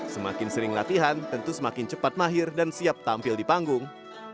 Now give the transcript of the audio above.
semakin sering latihan tentu semakin cepat mahir dan siap tampil di panggung